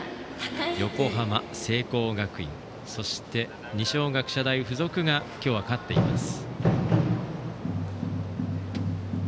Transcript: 横浜、聖光学院そして二松学舎大付属が今日は勝っています。